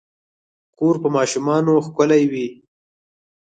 کور په ماشومانو ښکلے وي